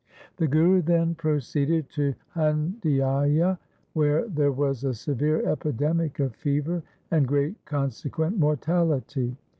The Guru then proceeded to Handiaya, where there was a severe epidemic of fever and great con sequent mortality.